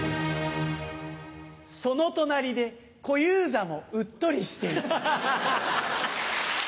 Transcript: その隣で小遊三もうっとりしていた。